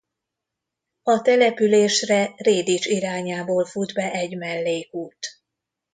A településre Rédics irányából fut be egy mellékút.